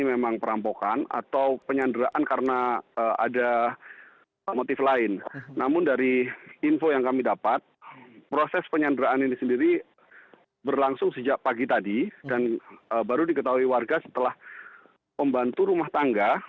jalan bukit hijau sembilan rt sembilan rw tiga belas pondok indah jakarta selatan